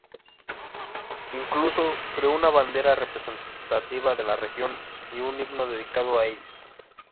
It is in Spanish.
Incluso creó una bandera representativa de la región y un himno dedicado a ella.